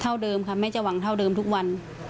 เท่าเดิมค่ะแม่จะหวังเท่าเดิมทุกวัน